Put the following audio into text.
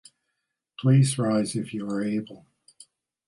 Please rise if you are able.